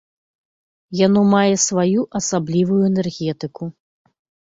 Яно мае сваю асаблівую энергетыку.